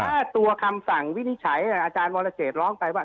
ถ้าตัวคำสั่งวินิจฉัยอาจารย์วรเจตร้องไปว่า